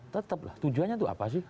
tetap lah tujuannya itu apa sih